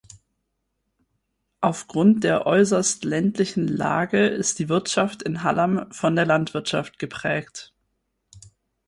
Aufgrund der äußert ländlichen Lage ist die Wirtschaft in Hallam von der Landwirtschaft geprägt.